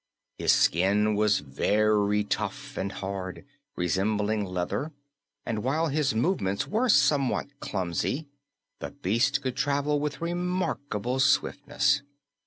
His skin was very tough and hard, resembling leather, and while his movements were somewhat clumsy, the beast could travel with remarkable swiftness.